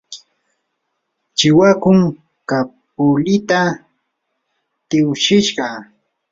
chiwakum kapulita tiwshishqa.